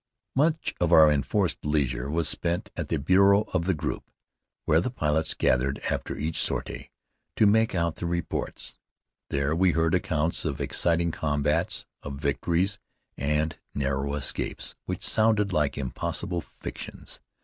Much of our enforced leisure was spent at the bureau of the group, where the pilots gathered after each sortie to make out their reports. There we heard accounts of exciting combats, of victories and narrow escapes, which sounded like impossible fictions.